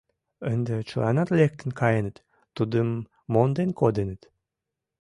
Ынде чыланат лектын каеныт, тудым монден коденыт!